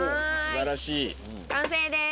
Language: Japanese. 仲：完成です！